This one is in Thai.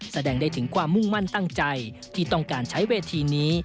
แสดงได้ถึงความมุ่งมั่นตั้งใจที่ต้องการใช้เวทีนี้